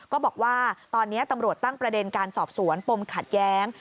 ก็บอกว่าตอนนี้ตำรวจตั้งประเด็นการสอบสวนปมขัดแย้ง